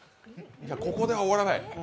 ここでは終わらない。